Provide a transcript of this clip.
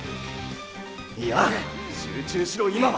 いや集中しろ今は！